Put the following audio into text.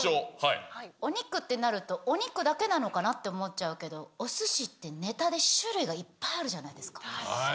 お肉ってなると、お肉だけかなって思うけど、おすしってねたで種類いっぱいあるじゃないですか。